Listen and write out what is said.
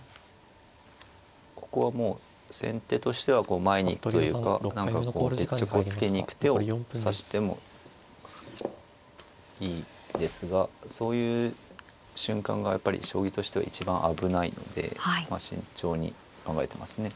ここはもう先手としては前にというか何かこう決着をつけに行く手を指してもいいですがそういう瞬間がやっぱり将棋としては一番危ないので慎重に考えてますね